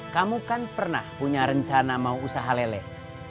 kamu kan pernah punya rencana mau usaha leleh